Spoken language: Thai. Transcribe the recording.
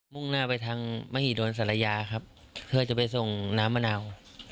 ่งหน้าไปทางมหิดลศาลยาครับเพื่อจะไปส่งน้ำมะนาว